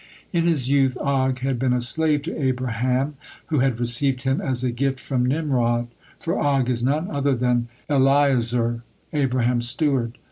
In his youth Og had been a slave to Abraham, who had received him as a gift from Nimrod, for Og is none other than Eliezer, Abraham's steward.